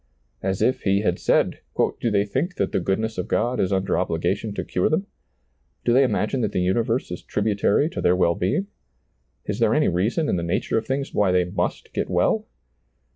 As if He had said; " Do they think that the goodness of God is under obligation to cure them ? Do they imagine that the universe is trib utary to their well being ? Is there any reason in the nature of things why they must get well